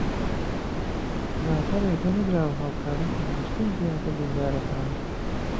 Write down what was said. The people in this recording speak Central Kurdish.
تەناتە رێگە نەدراوە هاوکاری تەندروستیش بگاتە بریندارەکان